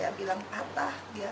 jadi begitu dia